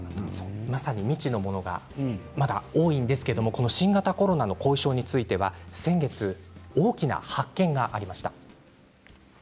まさに未知のものが多いんですけど、この新型コロナの後遺症については先月大きな発見がありました。